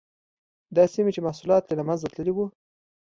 دا سیمې چې محصولات یې له منځه تللي وو.